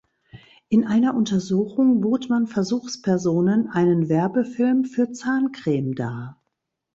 In einer Untersuchung bot man Versuchspersonen einen Werbefilm für Zahncreme dar.